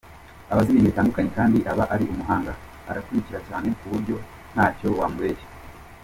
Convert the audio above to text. Aba azi ibintu bitandukanye kandi aba ari umuhanga, arakukirikira cyane ku buryo ntacyo wamubeshya.